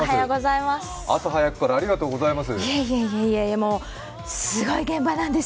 朝早くからありがとうございます。